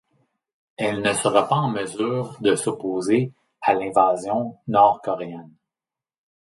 Elle ne sera pas en mesure de s'opposer à l'invasion nord-coréenne.